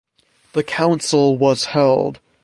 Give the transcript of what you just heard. The council was held.